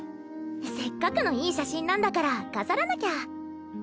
せっかくのいい写真なんだから飾らなきゃ。